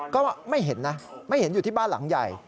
ก็ไม่เห็นนะไม่เห็นอยู่ที่บ้านหลังใหญ่